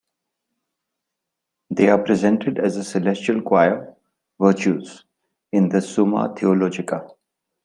They are presented as the celestial Choir "Virtues", in the "Summa Theologica".